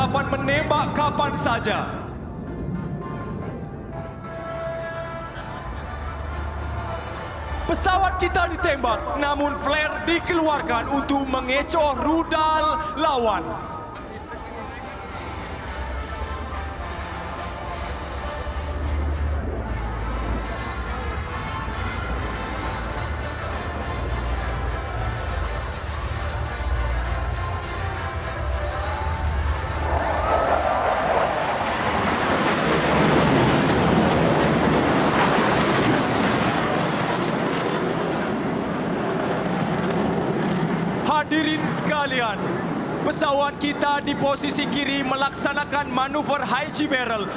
pesawat kita di posisi kiri melaksanakan manuver hiji barrel